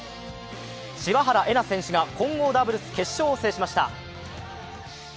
柴原瑛菜選手が混合ダブルス決勝を制しました。